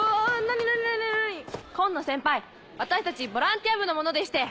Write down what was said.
何何何⁉紺野先輩私たちボランティア部の者でして！